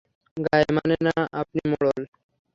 গাঁয়ে মানে না আপনি মোড়ল।